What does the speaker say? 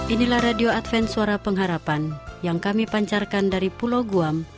inilah radio adven suara pengharapan yang kami pancarkan dari pulau guam